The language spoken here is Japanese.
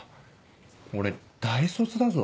俺大卒だぞ。